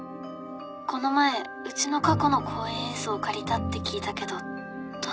この前うちの過去の公演映像を借りたって聞いたけどどうして？